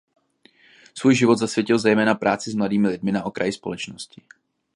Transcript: Svůj život zasvětil zejména práci s mladými lidmi na okraji společnosti.